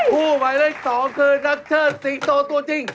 คู่ไหนเลขสองคือนักเชื่อสิงโตตัวจริง